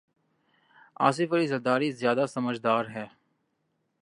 آصف علی زرداری زیادہ سمجھدار ہیں۔